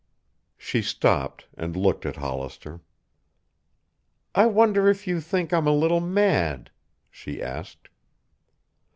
She stopped and looked at Hollister. "I wonder if you think I'm a little mad?" she asked.